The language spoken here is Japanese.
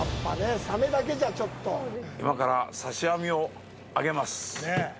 今から刺し網を上げます。